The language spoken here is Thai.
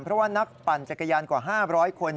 เพราะว่านักปั่นจักรยานกว่า๕๐๐คน